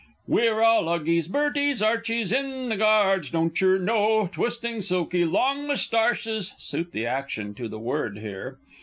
_) We're all "'Ughies," "Berties," "Archies," In the Guards! Doncher know? Twisting silky long moustarches, [_Suit the action to the word here.